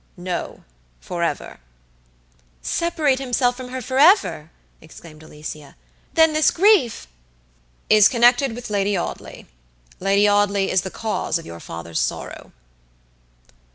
"No, forever." "Separate himself from her forever!" exclaimed Alicia. "Then this grief" "Is connected with Lady Audley. Lady Audley is the cause of your father's sorrow."